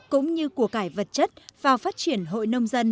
cũng như của cải vật chất vào phát triển hội nông dân